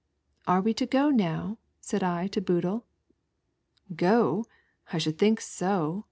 "Are we to go now?" said I to Boodle. "Go? I should think so.